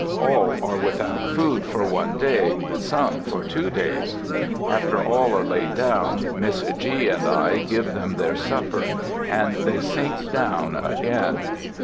All are without food for one day, some for two days. After all are laid down, Miss G. and I give them their supper, and they sink down again.